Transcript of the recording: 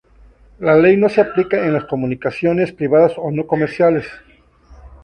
La ley no se aplica en las comunicaciones privadas o no comerciales.